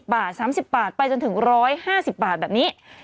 บาท๓๐บาทไปจนถึง๑๕๐บาทแบบนี้